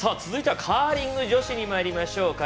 続いてはカーリング女子にまいりましょう。